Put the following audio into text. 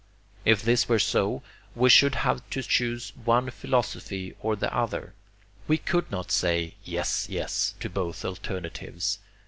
If this were so, we should have to choose one philosophy or the other. We could not say 'yes, yes' to both alternatives.